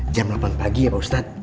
jam delapan pagi ya ustadz